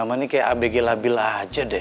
sama ini kayak abg labil aja deh